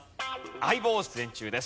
『相棒』出演中です。